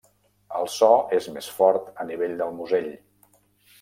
El so és més fort al nivell del musell.